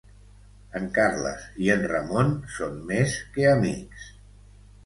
En Carles i en Ramon són més que amics.